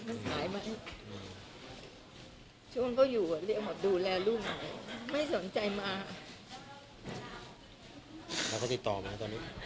มึง๑๙๘๘มาสู่สินแหช่วงแหลที๕ตอนนี้เดิน๑นาทีทั้ง๒มาอยู่สำหรับหนู